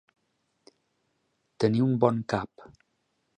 Tenir un bon cap.